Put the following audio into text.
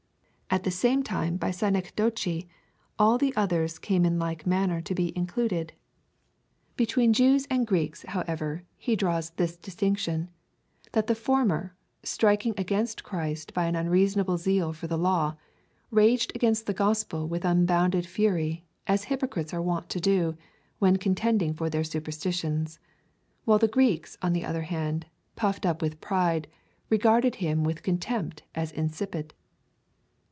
At the same time by synecdoche, all the othei's come in like manner to be included. Between Jews and '" Extrauagantes ;"—" Extravagant." CHAP. I. 22. FIRST EPISTLE TO THE CORINTHIANS. 87 Greeks, however, he draws this distinction, that the former, striking against Christ by an unreasonable zeal for the law, raged against the gospel with unbounded fury, as hypocrites are wont to do, when contending for their superstitions ; while the Greeks, on the other hand, puffed up with pride, regarded him with contempt as insipid.